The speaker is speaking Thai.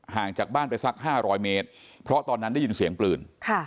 จากบ้านไปสัก๕๐๐เมตรเพราะตอนนั้นได้ยินเสียงปืน